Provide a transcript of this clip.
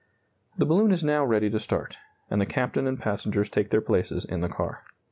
The balloon is now ready to start, and the captain and passengers take their places in the car.